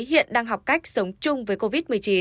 hiện đang học cách sống chung với covid một mươi chín